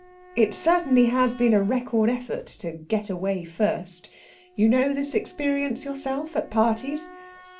It certainly has been a record effort to "get away first." You know this experience yourself at parties?